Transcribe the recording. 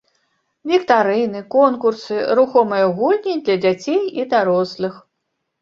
Віктарыны, конкурсы, рухомыя гульні для дзяцей і дарослых.